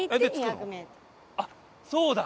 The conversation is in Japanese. あっそうだ！